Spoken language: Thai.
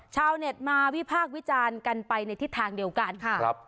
ชาวเน็ตมาวิพากษ์วิจารณ์กันไปในทิศทางเดียวกันค่ะ